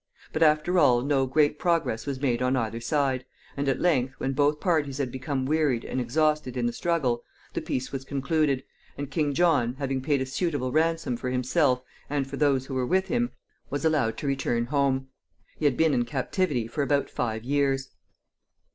But, after all, no great progress was made on either side, and at length, when both parties had become wearied and exhausted in the struggle, a peace was concluded, and King John, having paid a suitable ransom for himself and for those who were with him, was allowed to return home. He had been in captivity for about five years.